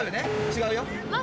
違うよ。